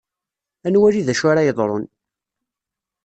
Ad nwali d acu ara yeḍṛun.